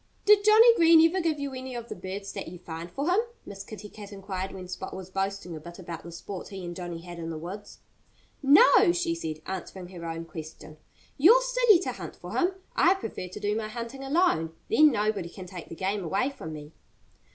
"Did Johnnie Green ever give you any of the birds that you find for him?" Miss Kitty Cat inquired when Spot was boasting a bit about the sport he and Johnnie had in the woods. "No!" she said, answering her own question. "You're silly to hunt for him. I prefer to do my hunting alone. Then nobody can take the game away from me."